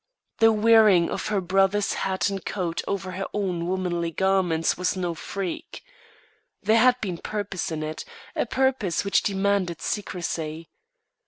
The wearing of her brother's hat and coat over her own womanly garments was no freak. There had been purpose in it a purpose which demanded secrecy.